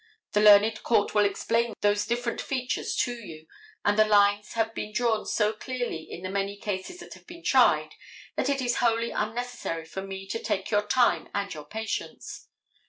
The learned court will explain those different features to you, and the lines have been drawn so clearly in the many cases that have been tried that it is wholly unnecessary for me to take your time and your patience.